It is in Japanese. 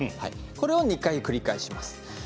これを２回繰り返します。